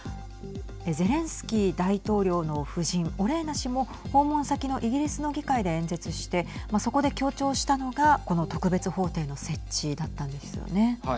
ゼレンスキー大統領の夫人オレーナ氏も訪問先のイギリスの議会で演説してそこで強調したのがこの特別法廷のはい。